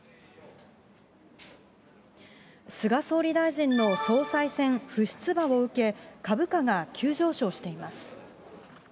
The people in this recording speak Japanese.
菅総理大臣の総裁選不出馬を受け、株価が急上昇しています。